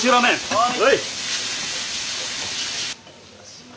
はい！